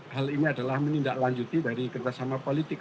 hal ini adalah menindaklanjuti dari kerjasama politik